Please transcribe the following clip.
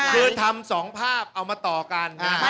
คือทำสองภาพเอามาต่อกันครับ